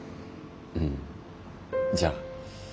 うんじゃあまた。